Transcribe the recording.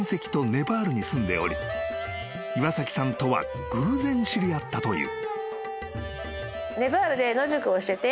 ［岩崎さんとは偶然知り合ったという］